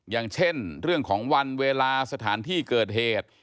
อย่างเช่นเรื่องของวันเวลาสถานที่เกิดเหตุ